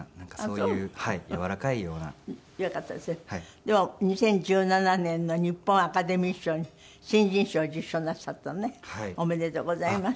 でも２０１７年の日本アカデミー賞で新人賞を受賞なさったのね。おめでとうございます。